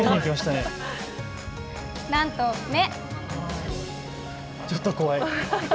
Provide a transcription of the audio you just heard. なんと目。